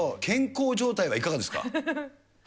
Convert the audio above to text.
健康状態はいかがですか。